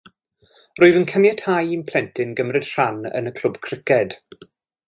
Rwyf yn caniatáu i'm plentyn gymryd rhan yn y clwb criced